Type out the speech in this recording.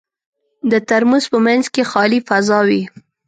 د ترموز په منځ کې خالي فضا وي.